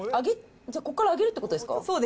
ここから揚げるということですか？